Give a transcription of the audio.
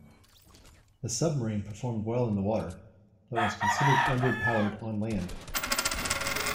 The submarine performed well in the water, but was considered underpowered on land.